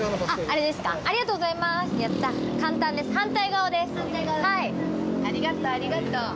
ありがとうありがとう。